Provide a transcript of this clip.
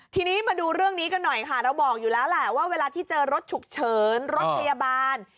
ทีนี้มาดูเรื่องนี้กันหน่อยค่ะเราบอกอยู่แล้วแหละว่าเวลาที่เจอรถฉุกเฉินรถพยาบาล